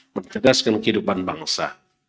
mengegaskan kehidupan bangsa